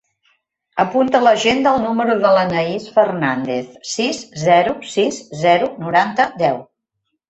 Apunta a l'agenda el número de l'Anaís Fernandez: sis, zero, sis, zero, noranta, deu.